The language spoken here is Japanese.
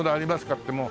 ってもう。